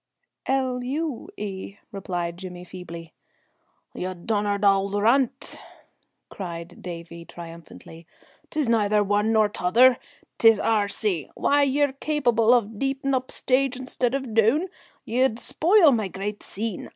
"L U E," replied Jimmy feebly. "Ye donnered auld runt!" cried Davie triumphantly. "'Tis neither one nor t'other. 'Tis R C. Why, ye're capable of deein' up stage instead of down! Ye'd spoil my great scene.